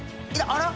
あら？